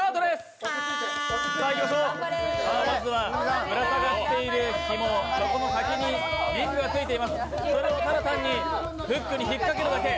まずはぶら下がっているひもの先にリングがついています、それをただ単にフックに引っかけるだけ。